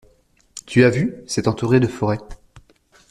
Tu as vu? C'est entouré de forêts.